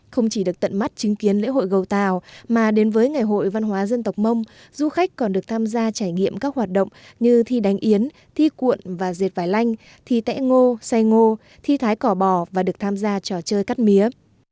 không chỉ được tận mắt chứng kiến lễ hội gầu tàu mà đến với ngày hội văn hóa dân tộc mông du khách còn được tham gia trải nghiệm các hoạt động như thi đánh yến thi cuộn và dệt vải lanh thi tẽ ngô say ngô thi thái cỏ và được tham gia trò chơi cắt mía